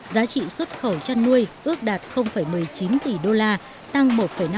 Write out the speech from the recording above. giá trị xuất khẩu chăn nuôi ước đạt một mươi chín tỷ đô la tăng một năm